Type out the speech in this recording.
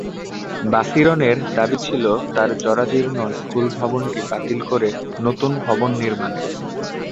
বাছিরনের দাবি ছিল, তাঁর জরাজীর্ণ স্কুলভবনটি বাতিল করে নতুন ভবন নির্মাণের।